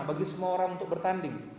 bagi semua orang untuk bertanding